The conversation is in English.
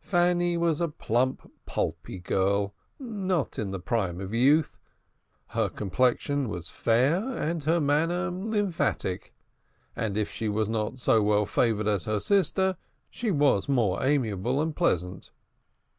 Fanny was a plump, pulpy girl, not in the prime of youth. Her complexion was fair and her manner lymphatic, and if she was not so well favored as her sister, she was more amiable and pleasant.